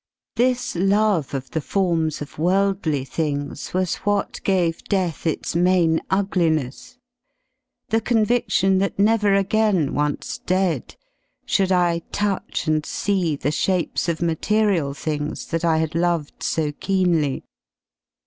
This love of the forms of world ly things . was what gave death its main ugliness , the convidion that never agam, once dead, should I touch and see the shapes of material things that I had loved so keenly.